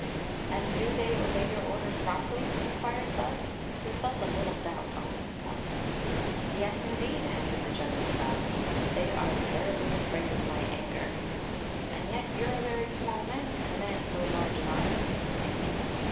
"And dp they obey your orders promptly?" in quired Bud, who felt a little doubt on this point "Yes, indeed!" answered the general, proudly. "They are terribly afraid of my anger." " And yet you re a very small man to ccmimand so large an army," said the king.